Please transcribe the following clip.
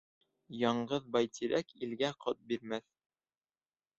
Яңғыҙ байтирәк илгә ҡот бирмәҫ.